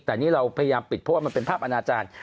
แต่นี่เราพยายามปิดเพราะว่ามันเป็นภาพอาณาจารย์